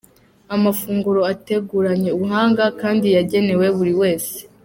Amafunguro ateguranye ubuhanga kandi yagenewe buri wese.